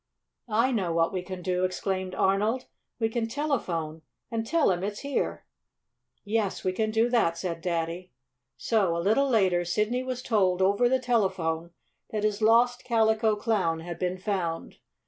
"I know what we can do!" exclaimed Arnold. "We can telephone and tell him it's here." "Yes, we can do that," said Daddy. So, a little later, Sidney was told, over the telephone, that his lost Calico Clown had been found.